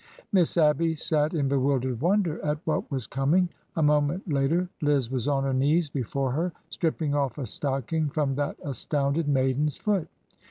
Miss Abby sat in bewildered wonder at what was com ing. A moment later Liz was on her knees before her, stripping off a stocking from that astounded maiden's foot.